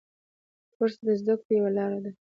کورس د زده کړو یوه لاره ده.